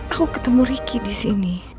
aku ketemu ricky disini